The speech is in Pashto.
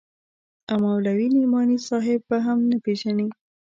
او مولوي نعماني صاحب به هم نه پېژنې.